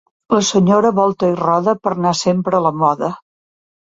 La senyora volta i roda per anar sempre a la moda.